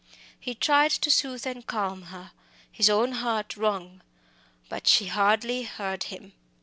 He tried to soothe and calm her, his own heart wrung. But she hardly heard him.